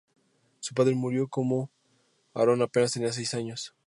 Su padre murió cuando Aaron apenas tenía seis años.